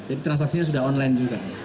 jadi transaksinya sudah online juga